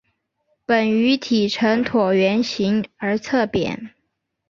本鱼体呈椭圆形而侧扁。